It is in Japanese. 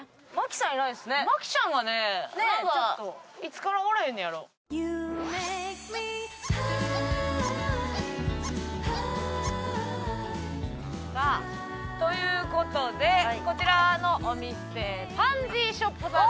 さあという事でこちらのお店パンジーショップさんです。